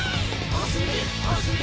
おしりおしり！